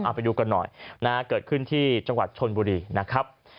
เอาไปดูกันหน่อยนะฮะเกิดขึ้นที่จังหวัดชนบุรีนะครับ